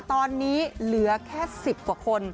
ตอนนี้เหลือแค่๑๐กว่าคน